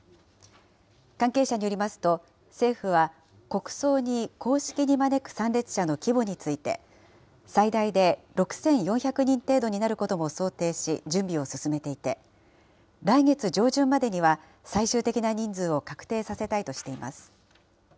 関係者によりますと、政府は、国葬に公式に招く参列者の規模について、最大で６４００人程度になることも想定し、準備を進めていて、来月上旬までには最終的な人数を確定させたいとしています。